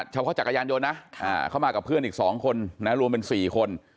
เฉพาะจักรยานยนต์นะเข้ามากับเพื่อนอีก๒คนนะรวมเป็น๔คน